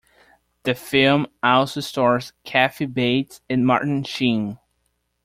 The film also stars Kathy Bates and Martin Sheen.